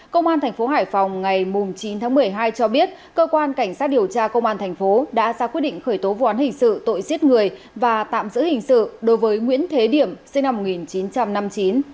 công an thành phố hải phòng ngày chín tháng một mươi hai cho biết cơ quan cảnh sát điều tra công an thành phố đã ra quyết định khởi tố vụ án hình sự tội giết người và tạm giữ hình sự đối với nguyễn thế điểm sinh năm một nghìn chín trăm năm mươi chín